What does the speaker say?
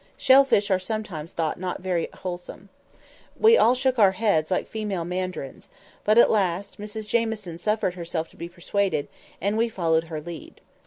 Shell fish are sometimes thought not very wholesome." We all shook our heads like female mandarins; but, at last, Mrs Jamieson suffered herself to be persuaded, and we followed her lead.